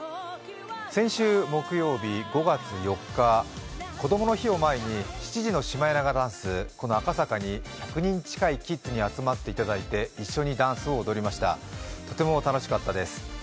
先週木曜日５月４日、こどもの日を前に７時のシマエナガダンス、この赤坂に１００人近いキッズに集まっていただいて一緒にダンスを踊りました、とても楽しかったです。